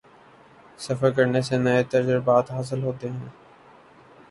سفر کرنے سے نئے تجربات حاصل ہوتے ہیں